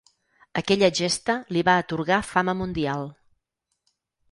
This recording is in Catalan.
Aquella gesta li va atorgar fama mundial.